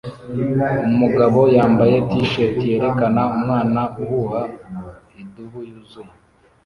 Umugabo yambaye t-shirt yerekana umwana uhuha idubu yuzuye